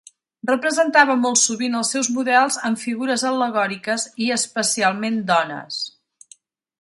Representava molt sovint els seus models amb figures al·legòriques, i especialment dones.